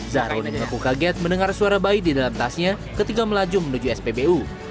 zahroni mengaku kaget mendengar suara bayi di dalam tasnya ketika melaju menuju spbu